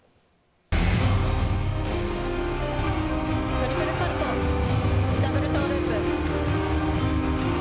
トリプルサルコウダブルトウループ。